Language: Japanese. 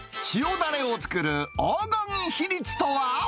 だれを作る黄金比率とは？